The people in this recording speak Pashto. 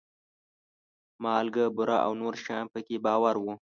مالګه، بوره او نور شیان په کې بار وو.